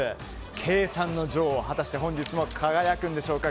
計算の女王果たして本日も輝くんでしょうか。